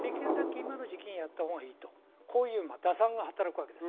今の時期にやったほうがいいという打算が働きます。